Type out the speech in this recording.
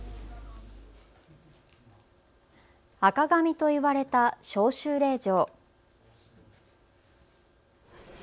赤紙と言われた召集令状。